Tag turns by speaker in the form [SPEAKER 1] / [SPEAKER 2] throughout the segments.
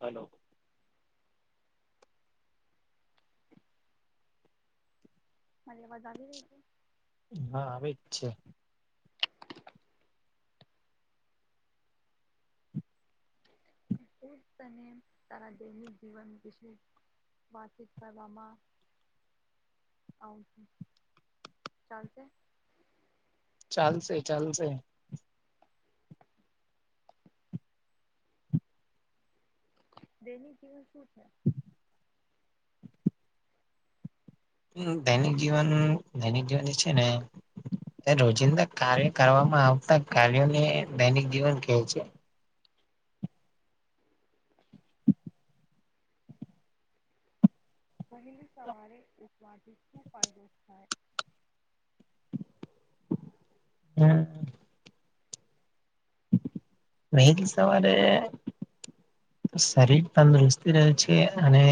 [SPEAKER 1] Hello.
[SPEAKER 2] મારે અવાજ આવી રહી છે.
[SPEAKER 1] હા આવી જ છે.
[SPEAKER 2] ને તારા દૈનિક જીવન વિશે વાતચીત કરવામાં આવશે ચાલશે.
[SPEAKER 1] ચાલશે-ચાલશે.
[SPEAKER 2] દૈનિક જીવન છે
[SPEAKER 1] દૈનિક જીવન. દૈનિક જીવન જે છે ને રોજિંદા કાર્ય કરવામાં આવતા કાર્યોને દૈનિક જીવન કેય છે.
[SPEAKER 2] વહેલી સવારે ઉઠવાથી શું ફાયદો થાય?
[SPEAKER 1] [unintelligible] વહેલી સવારે શરીર તંદુરસ્તતી રહે છે અને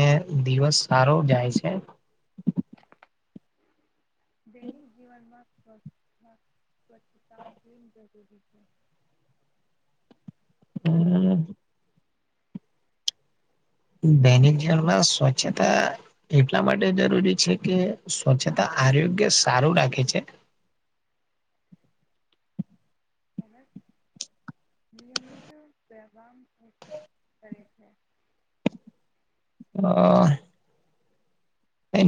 [SPEAKER 1] દિવસ સારો જાય છે.
[SPEAKER 2] દૈનિક જીવન માં [unintelligible]
[SPEAKER 1] હમ્મ. દૈનિક જીવનમાં સ્વચ્છતા એટલા માટે જરૂરી છે કે સ્વચ્છતા આરોગ્ય સારું રાખે છે.
[SPEAKER 2] [unintelligible] નિયમિત પ્રામ કરે છે
[SPEAKER 1] હા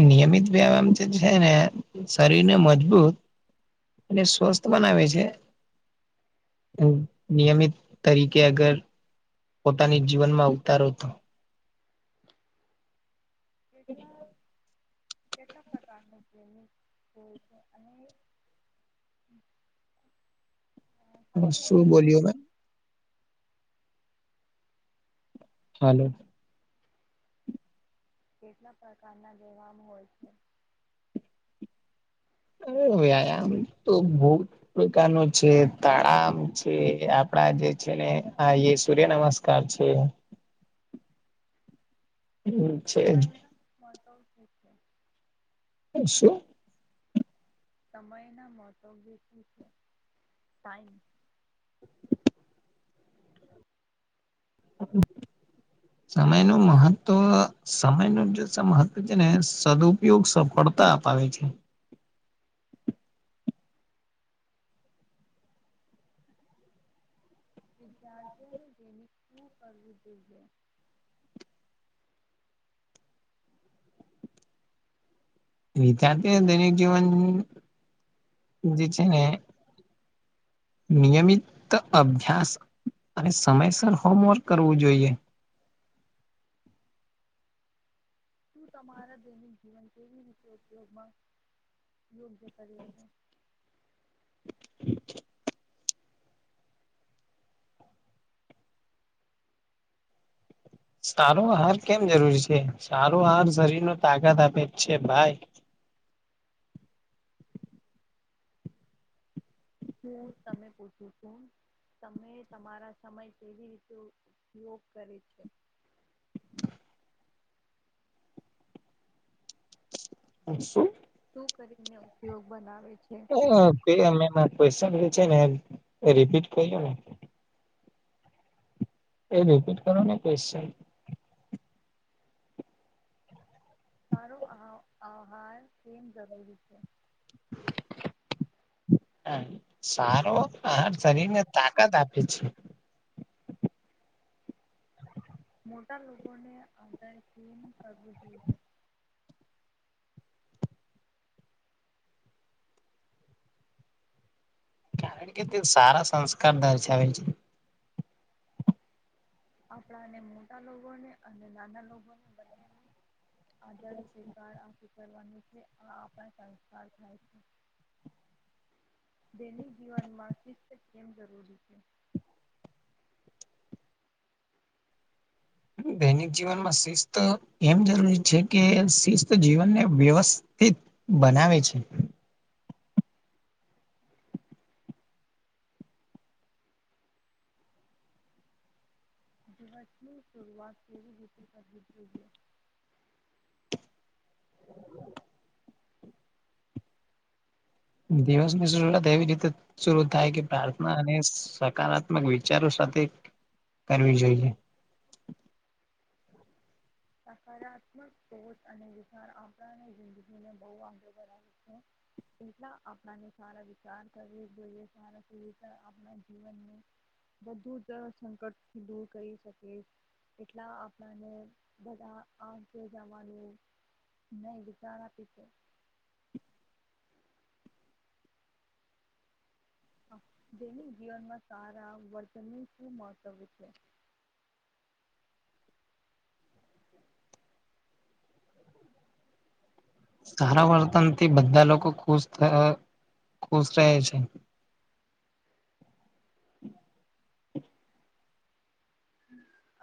[SPEAKER 1] નિયમિત વ્યાયામ જે છે ને શરીરને મજબૂત અને સ્વસ્થ બનાવે છે, હ નિયમિત તરીકે અગર પોતાની જીવનમાં ઉતારો તો.
[SPEAKER 2] કેટલા. કેટલાક પ્રકારનુંમ હોય છે અને
[SPEAKER 1] હા
[SPEAKER 2] સાથે
[SPEAKER 1] શું
[SPEAKER 2] ઉંમરના
[SPEAKER 1] બોલ્યો ભ હાલો
[SPEAKER 2] કેટલા પ્રકારના લેવાવામાં હોય છે?
[SPEAKER 1] વ્યાયામ તો બહુ પ્રકાર નું છે તળામ છે, આપડા જે છે ને આ સૂર્ય નમસ્કાર છે. છે
[SPEAKER 2] કપાયના ઓકે છે.
[SPEAKER 1] હ શું?
[SPEAKER 2] સમય ના મહત્વ્ય શું છે? ટાઈમ.
[SPEAKER 1] સમયનું મહત્વ સમયનું જે મહત્વ છે ને સદઉપયોગ સફળતા અપાવે છે.
[SPEAKER 2] વિદ્યાર્થીઓને જેૈનિક શું કરવું જોઈએ?
[SPEAKER 1] વિદ્યાર્થીને દૈનિક જીવન જે છે ને નિયમિત અભ્યાસ અને સમયસર હોમવર્ક કરવું જોઈએ.
[SPEAKER 2] તું તમારા દૈનિક જીવન કેવી રીતે ઉપયોગમાં યોગ્ય કરે છે?
[SPEAKER 1] સારો અહાર કેમ જરૂરી છે, સારો અહાર શરીરનો તાકાત આપે જ છે ભાઈ.
[SPEAKER 2] હું તમે પૂછું છું તમે તમારા સમય કેવી રીતે ઉપયોગ કરે છે?
[SPEAKER 1] હ શું?
[SPEAKER 2] શું કરીને ઉપયોગ બનાવે છે
[SPEAKER 1] [unintelligible] ક્યુએસન જે છે ને રિપીટ કરીયો ને. એ રિપીટ કરો ક્વેશચન.
[SPEAKER 2] સારો અહાવ આહાર કેમ જરૂરી છે?
[SPEAKER 1] સારો અહાર શરીર ને તા કત આપે છે.
[SPEAKER 2] મોટા લોકોને આધારશીન કરવું જોઈએ.
[SPEAKER 1] કારણ કે તે સારા સંસ્કાર દર્શાવે છે.
[SPEAKER 2] આપડા ને મોટા લોકોને અને નાના લોકો ને બંનેની આજે શ્રીકારા કરવાનું છે. આ આપડા સંસ્કાર થઈ છે, દૈનિક જીવનમાં શિસ્ત કેમ જરૂરી છે?
[SPEAKER 1] દૈનિક જીવનમાં શિસ્ત એમ જરૂરી છે કે, શિસ્ત જીવનને વ્યવસ્થિત બનાવે છે.
[SPEAKER 2] દિવસની શરૂઆત કેવી રીતે કરવી જોઈએ?
[SPEAKER 1] દિવસની શરૂઆત એવી રીતે શરૂ થાય કે પ્રાર્થના અને સકારાત્મક વિચારો સાથે કરવી જોઈએ.
[SPEAKER 2] સકારાત્મક [unintelligible] અને વિચાર આપણાને જિંદગીને બહુ આગળ વધાવે છે, એટલા આપણાને સારા વિચાર કરવી જોઈએ, સારા વિચાર આપડા જીવનને બધુંજ સંકટથી દૂર કરી શકે, એટલા આપણાને બધા આે જવાનું નહી વિચાર આપી છે. દૈનિક જીવનમાં સારા વર્તનનું શું મહત્ત્વ છે?
[SPEAKER 1] સારા વર્તનથી બધા લોકો ખુશ થ ખુશ રહે છે.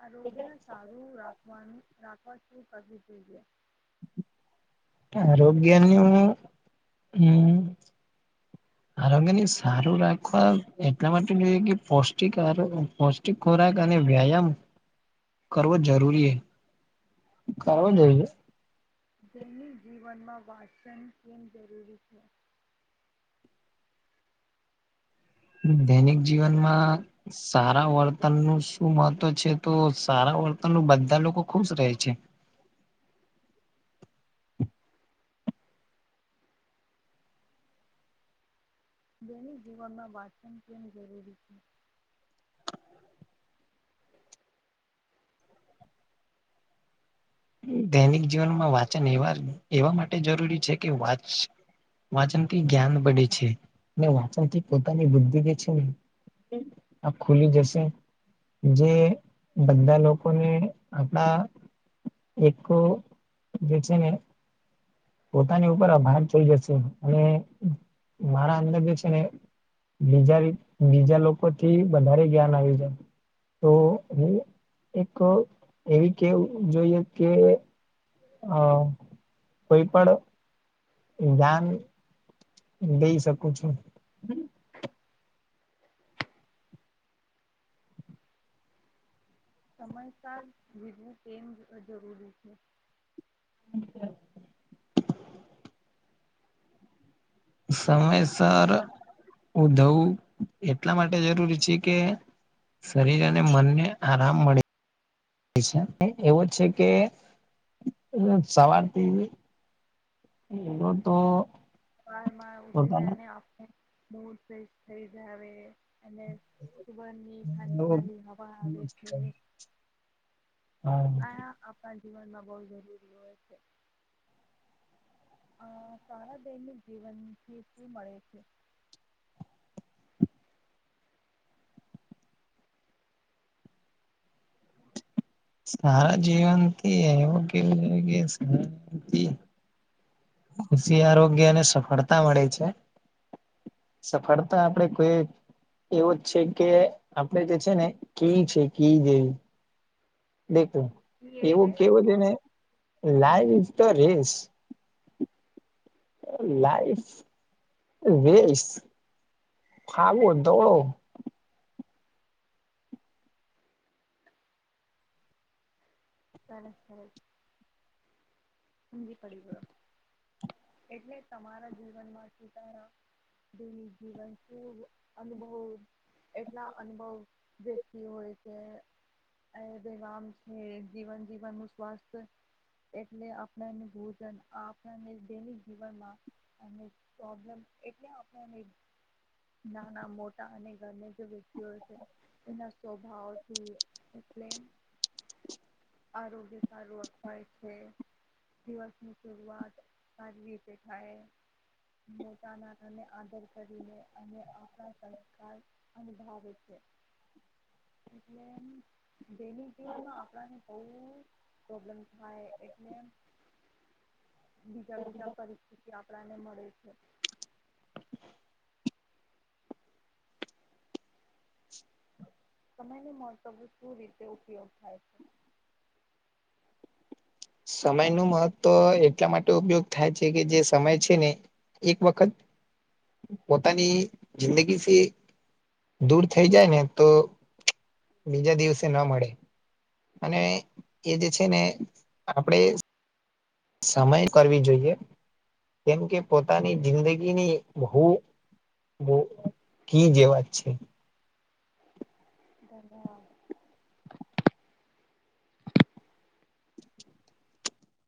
[SPEAKER 2] આરોગ્ય ને સારું રાખ [unintelligible] રાખવા શું કરવવી જોઈએ?
[SPEAKER 1] આરોગ્યનું હમ્મ આરોગ્યની સારું રાખવા એટલા માટે જોઈએ કે પૌષ્ટિક પૌષ્ટિક ખોરાક અને વ્યાયામ કરવો જરૂરી કરવો જોઈએ.
[SPEAKER 2] દૈનિક જીવનમાં વાંચન કેમ જરૂરી છે?
[SPEAKER 1] દૈનિક જીવનમાં સારા વર્તન નું શું મહત્ત્વ છે તો સારા વર્તન ન બધા લોકો ખુશ રહે છે.
[SPEAKER 2] દૈનિક જીવનમાં વાચન કેમ જરૂરી છે?
[SPEAKER 1] દૈનિક જીવનમાં વાચન એવા એવા માટે જરૂરી છે કે વાચ વાચન થી જ્ઞાન બડે છે, ને વાચન થી પોતાની બુદ્ધિ જે છે ને આ ખુલી જશે જે બધા લોકોને આપડા એકો જે છેને પોતાની ઉપર આભાર થઈ જશે અને મારા અંદર જે છે ને બીજા બીજા લોકો થી વધારે જ્ઞાન આવ જાય તો હું એક એવી કેવું જોઈએ કે હા, કોઈ પણ દાન લઈ શકું છું.
[SPEAKER 2] સમયસળ જીજવું કેમ જરૂરી છે?
[SPEAKER 1] [inaudible] સમયસર ઉધવું એટલા માટે જરૂરી છે કે શરીર અને મનને આરામ મળે છે. એવો છે કે સવારથી એ તો
[SPEAKER 2] વારમા ઊઠી જાય
[SPEAKER 1] પોતાના
[SPEAKER 2] ને ઓફિસ બહુજ ફ્રેશ થઈ જ આવે. અને સુવણની ઠાંડી
[SPEAKER 1] એવો
[SPEAKER 2] ઠાંડી હવા આવે છે. આ આપડા જીવનમાં બહ જરૂરી હોય છે. અહ સારા દૈનિક જીવનથી શું મળે છે?
[SPEAKER 1] સારા જીવનથી એવું કેવું છે કે [unintelligible] થી કૃષિ આરોગ્યને સફળતા મળે છે. સફળતા આપડે કોઈ એવું જ છે કે આપડે જે છે ને કી છે કીજેવી દેખું
[SPEAKER 2] ઈ એટલે
[SPEAKER 1] એવું કેવું છે ને લાઈવ તો રીસ લાઈફ વસ ફાવો દોડો
[SPEAKER 2] સરસ સર સમજી પડી ગયો, એટલે તમારા જીવનમાંથીતા દનિક જીવન ખૂબ અનુભવ એટલા અનુભવ વતી હોય છે વરામ છે જીવન જીવનનું સ્વાસ્થ્ય એટલે આપણને ભોજન, આપને દૈનિક જીવન માં પ્રોબ્લેમ એટલે આપને નાના મોટા અને ઘર જે વ્યક્તિઓ છે એના સ્વભાવથી, એટલે આરોગ્ય સારું અખવાય છે, દિવસની શરૂઆત સારી રીતે થાય, મોટા નાનાને આદર કરીને અને આપણા સંસ્કાર અનુભાવે છે, એટલે દૈનિક જીવનમાં આપડા ને બો પ્રોબ્લેમ થાય, એટલે બીજા બીજા પરિસ્થિતિ આપડા ને મળે છે સમયને મહતવું શું રીતે ઉપયોગ થાય છે?
[SPEAKER 1] સમય નું મહત્વ એટલા માટે ઉપયોગ થાય છે કે જે સમય છે ને એક વખત પોતાની જિંદગીથી દૂર થઈ જાય ને તો બીજા દિવસે ન મળે અને એ જે છે ને આપડે સમય કરવી જોઈએ, કેમકે પોતાની જિંદગીની બહુ બો કી જેવાજ છે.
[SPEAKER 2] ધ્યાનવાદ
[SPEAKER 1] [inaudible]